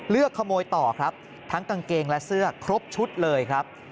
ขโมยต่อครับทั้งกางเกงและเสื้อครบชุดเลยครับ